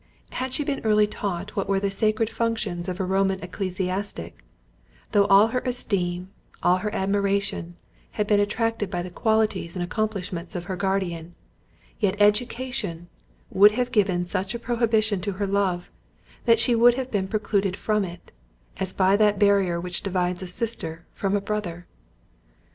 Had she been early taught what were the sacred functions of a Roman ecclesiastic, though all her esteem, all her admiration, had been attracted by the qualities and accomplishments of her guardian, yet education, would have given such a prohibition to her love, that she would have been precluded from it, as by that barrier which divides a sister from a brother.